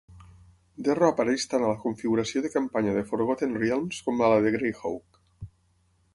Derro apareix tant a la configuració de campanya de Forgotten Realms com a la de Greyhawk.